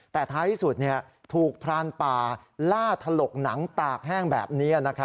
แต่ท้ายที่สุดถูกพรานป่าล่าถลกหนังตากแห้งแบบนี้